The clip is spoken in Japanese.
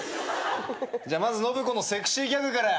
じゃあまず信子のセクシーギャグから。